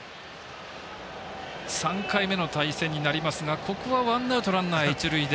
３回目の対戦になりますがここはワンアウト、ランナー、一塁で。